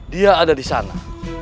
dia ada disana